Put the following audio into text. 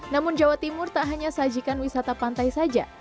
namun jawa timur tak hanya sajikan wisata pantai saja